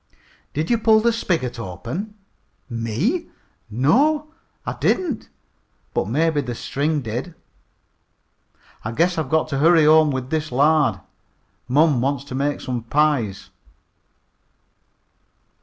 "Did you pull the spigot open?" "Me? No, I didn't, but maybe the string did. I guess I've got to hurry home with this lard. Mom wants to make some pies."